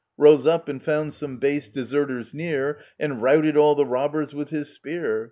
Rose up, and found some base deserters near, And routed all the robbers with his spear.